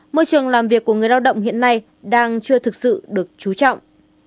môi trường làm việc của người lao động hiện nay đang chưa thực sự được trú trọng